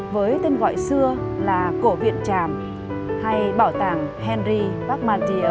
với tên gọi xưa là cổ viện tràm hay bảo tàng henry bargmatio